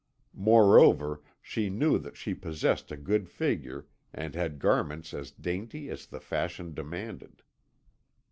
Moreover, she knew that she possessed a good figure and had garments as dainty as the fashion demanded.